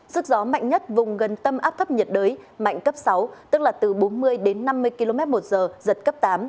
sức gió mạnh nhất vùng gần tâm áp thấp nhiệt đới mạnh cấp sáu tức là từ bốn mươi đến năm mươi km một giờ giật cấp tám